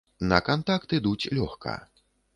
На кантакт ідуць лёгка.